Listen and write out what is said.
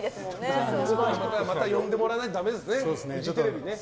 また呼んでもらわないとだめですね、フジテレビに。